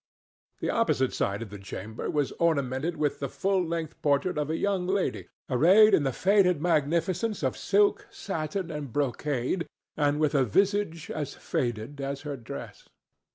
The opposite side of the chamber was ornamented with the full length portrait of a young lady arrayed in the faded magnificence of silk, satin and brocade, and with a visage as faded as her dress.